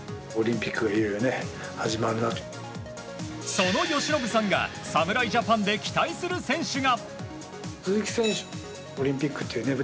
その由伸さんが侍ジャパンで期待する選手が。